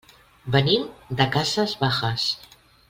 Venim de Casas Bajas.